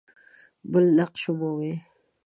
بل نقش مومي.